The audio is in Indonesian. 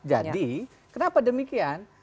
jadi kenapa demikian